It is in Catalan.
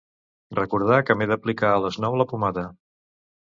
Recordar que m'he d'aplicar a les nou la pomada.